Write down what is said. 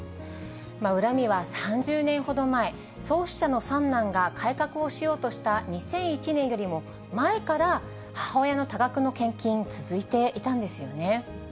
恨みは３０年ほど前、創始者の三男が改革をしようとした２００１年よりも前から、母親の多額の献金、続いていたんですよね。